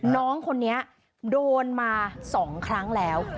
น้องคนนี้โดนมา๒ครั้งแล้ว